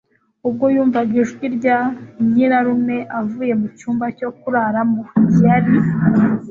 ubwo yumvaga ijwi rya nyirarume avuye mu cyumba cyo kuraramo. yari